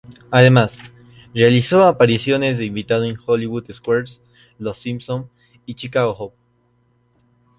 Además, realizó apariciones de invitado en "Hollywood Squares, Los Simpson" y "Chicago Hope".